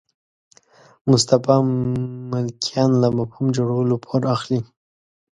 مصطفی ملکیان له مفهوم جوړولو پور اخلي.